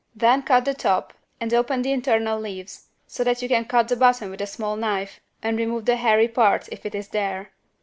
Then cut the top and open the internal leaves so that you can cut the bottom with a small knife and remove the hairy part if it is there.